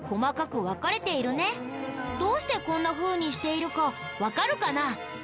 どうしてこんなふうにしているかわかるかな？